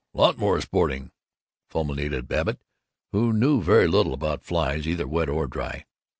Lots more sporting," fulminated Babbitt, who knew very little about flies either wet or dry.